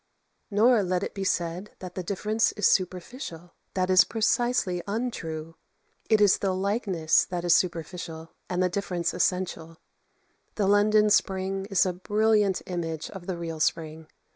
Nor let it be said that the difference is superficial. That is precisely untrue; it is the likeness that is superficial, and the difference essential. The London spring is a brilliant image of the real spring.